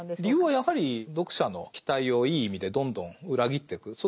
理由はやはり読者の期待をいい意味でどんどん裏切っていく。